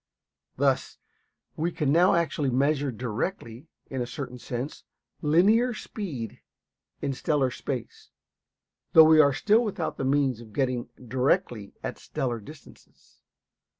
Thus we can now actually measure directly, in a certain sense, linear speed in stellar space, though we are still without the means of getting directly at stellar distances.